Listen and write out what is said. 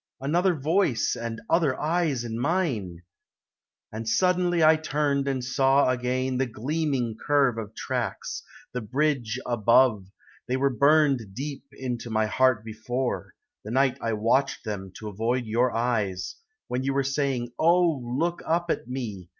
Another voice and other eyes in mine! And suddenly I turned and saw again The gleaming curve of tracks, the bridge above They were burned deep into my heart before, The night I watched them to avoid your eyes, When you were saying, "Oh, look up at me!"